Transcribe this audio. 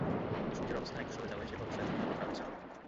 সূর্যের অবস্থান একটু সরে যাওয়ায় সেটা অবশ্য এখন তাঁর দরকার হচ্ছে না।